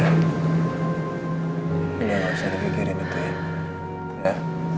udah gak usah dipikirin itu ya